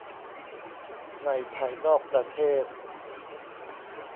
ในภายนอกประเทศ